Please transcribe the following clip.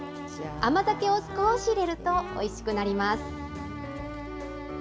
甘酒を少し入れるとおいしくなります。